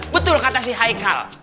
betul kata si haikal